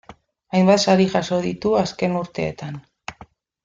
Hainbat sari jaso ditu azken urteetan.